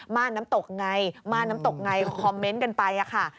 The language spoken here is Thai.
่านน้ำตกไงม่านน้ำตกไงก็คอมเมนต์กันไปค่ะ